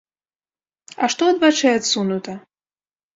А што ад вачэй адсунута?